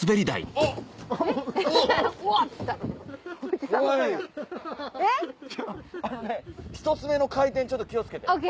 あのね１つ目の回転ちょっと気を付けて。ＯＫ。